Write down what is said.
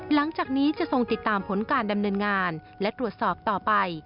หลังจากนี้จะทรงติดตามผลการดำเนินงานและตรวจสอบต่อไป